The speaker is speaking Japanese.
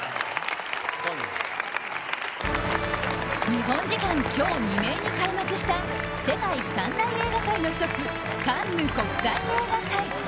日本時間、今日未明に開幕した世界三大映画祭の１つカンヌ国際映画祭。